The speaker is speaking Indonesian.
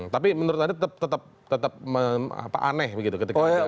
tapi menurut anda tetap aneh gitu ketika itu